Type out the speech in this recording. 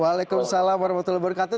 waalaikumsalam warahmatullahi wabarakatuh